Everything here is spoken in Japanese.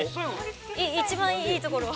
◆一番いいところ。